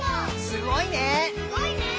「すごいね」